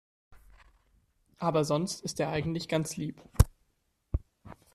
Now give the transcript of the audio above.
Aber sonst ist er eigentlich ganz lieb.